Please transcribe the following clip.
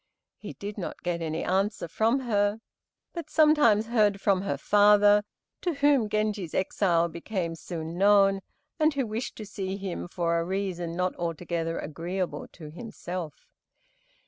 He did not get any answer from her, but sometimes heard from her father, to whom Genji's exile became soon known, and who wished to see him for a reason not altogether agreeable to himself.